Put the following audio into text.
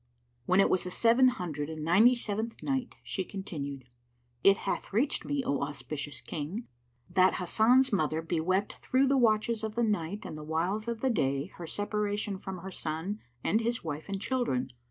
When it was the Seven Hundred and Ninety seventh Night, She continued, It hath reached me, O auspicious King, that Hasan's mother bewept through the watches of the night and the whiles of the day her separation from her son and his wife and children.